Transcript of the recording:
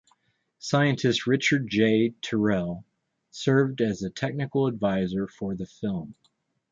Scientist Richard J. Terrile served as a technical advisor for the film.